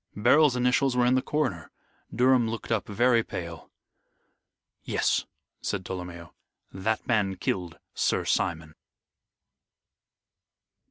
Beryl's initials were in the corner. Durham looked up very pale. "Yes," said Tolomeo, "that man killed Sir Simon."